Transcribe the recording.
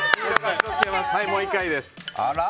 もう１回です。